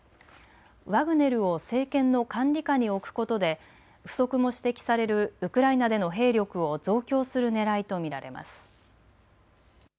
ワグネルを政権の管理下に置くことで不足も指摘されるウクライナでの兵力を増強するねらいと見られます。